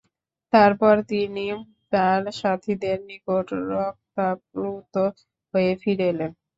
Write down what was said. তারপর তিনি তাঁর সাথীদের নিকট রক্তাপ্লুত হয়ে ফিরে এলেন।